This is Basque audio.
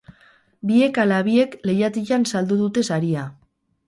Biek hala biek lehiatilan saldu dute saria.